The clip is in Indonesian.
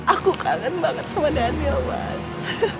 aku kangen banget sama daniel mas